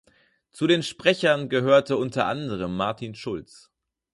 Zu den Sprechern gehörte unter anderem Martin Schulz.